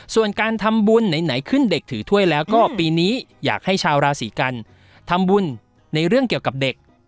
ส่วนการทำบุญไหนขึ้นเด็กถือถ้วยแล้วก็ปีนี้อยากให้ชาวราศีกันทำบุญในเรื่องเกี่ยวกับเด็ก